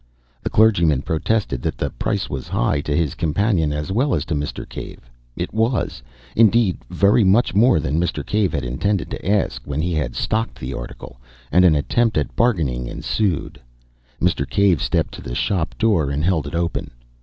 The clergyman protested that the price was high, to his companion as well as to Mr. Cave it was, indeed, very much more than Mr. Cave had intended to ask, when he had stocked the article and an attempt at bargaining ensued. Mr. Cave stepped to the shop door, and held it open.